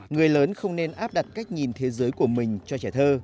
người lớn không nên áp đặt cách nhìn thế giới của mình cho trẻ thơ